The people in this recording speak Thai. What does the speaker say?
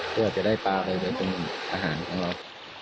เพื่อจะได้ปลาไปตรงอาหารของเรา